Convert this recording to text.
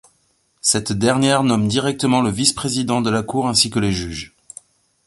Cette dernière nomme directement le vice-président de la Cour ainsi que les juges.